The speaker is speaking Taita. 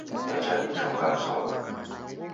Necha icho ngamsowa